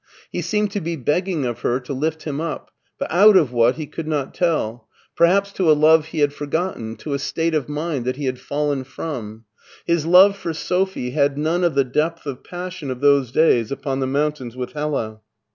He seemed to be begging of her to lift him up, but out of what he could not tell: perhaps to a love he had forgotten, to a state of mind that he had fallen from. His love for Sophie had none of the depth of passion of those days upon the mountains with Hella.